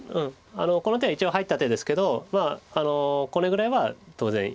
この手は一応入った手ですけどこれぐらいは当然いける手なので。